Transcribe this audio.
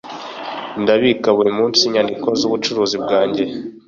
Ndabika buri munsi inyandiko zubucuruzi bwanjye.